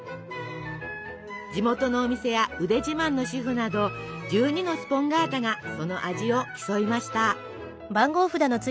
地元のお店や腕自慢の主婦など１２のスポンガータがその味を競いました。